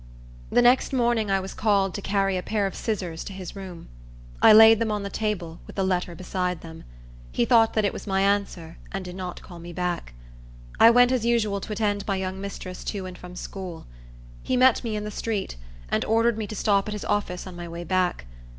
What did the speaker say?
The next morning I was called to carry a pair of scissors to his room. I laid them on the table, with the letter beside them. He thought it was my answer, and did not call me back. I went as usual to attend my young mistress to and from school. He met me in the street, and ordered me to stop at his office on my way back.